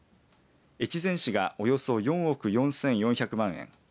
越前市がおよそ４億４４００万円